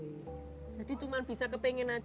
jadi cuma bisa kepingin aja